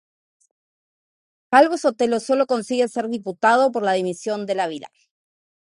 Calvo-Sotelo solo consigue ser diputado por la dimisión de Lavilla.